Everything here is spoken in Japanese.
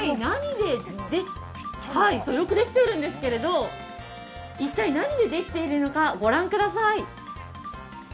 よくできているんですが、一体何でできているのか御覧ください。